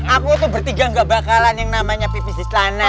aku tuh bertiga nggak bakalan yang namanya pipis di selana